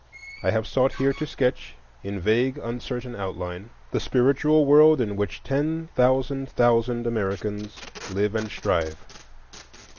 I have sought here to sketch, in vague, uncertain outline, the spiritual world in which ten thousand thousand Americans live and strive.